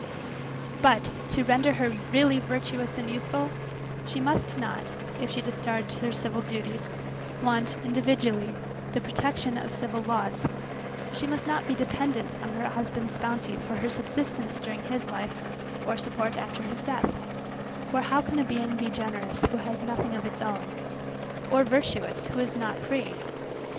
But, to render her really virtuous and useful, she must not, if she discharge her civil duties, want, individually, the protection of civil laws; she must not be dependent on her husband's bounty for her subsistence during his life, or support after his death for how can a being be generous who has nothing of its own? or, virtuous, who is not free?